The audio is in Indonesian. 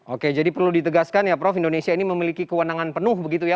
oke jadi perlu ditegaskan ya prof indonesia ini memiliki kewenangan penuh begitu ya